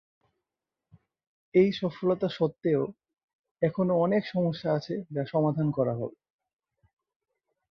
এই সফলতা সত্ত্বেও, এখনও অনেক সমস্যা আছে যা সমাধান করা হবে।